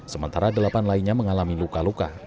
sementara delapan lainnya mengalami luka luka